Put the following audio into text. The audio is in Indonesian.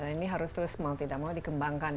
ini harus terus mau tidak mau dikembangkan